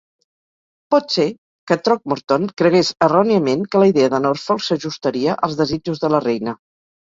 Pot ser que Throckmorton cregués erròniament que la idea de Norfolk s'ajustaria als desitjos de la reina.